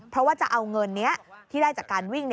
เพราะว่าจะเอาเงินนี้ที่ได้จากการวิ่ง